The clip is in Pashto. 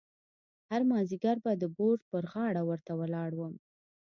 هر مازیګر به د بورد پر غاړه ورته ولاړ وم.